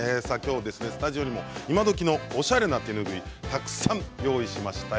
スタジオには、今どきのおしゃれな手ぬぐいたくさん用意しました。